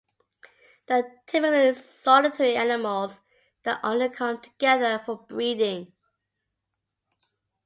They are typically solitary animals that only come together for breeding.